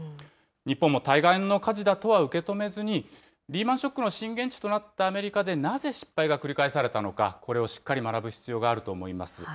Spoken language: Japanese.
日本も対岸の火事だとは受け止めずに、リーマンショックの震源地となったアメリカでなぜ失敗が繰り返されたのか、これをしっかり学ぶ必要があると思います。